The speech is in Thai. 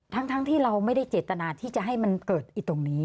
ทั้งที่เราไม่ได้เจตนาที่จะให้มันเกิดตรงนี้